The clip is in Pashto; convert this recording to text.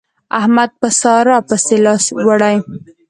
احمد په سارا پسې لاس وړي.